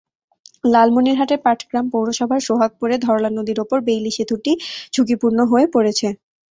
লালমনিরহাটের পাটগ্রাম পৌরসভার সোহাগপুরে ধরলা নদীর ওপর বেইলি সেতুটি ঝুঁকিপূর্ণ হয়ে পড়েছে।